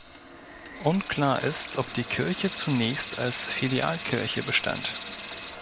Unklar ist, ob die Kirche zunächst als Filialkirche bestand.